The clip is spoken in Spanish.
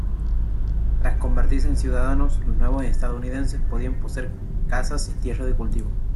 Tras convertirse en ciudadanos, los nuevos estadounidenses podían poseer casas y tierras de cultivo.